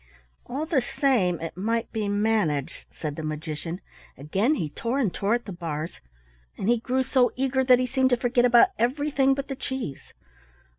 "All the same it might be managed," said the magician. Again he tore and tore at the bars, and he grew so eager that he seemed to forget about everything but the cheese.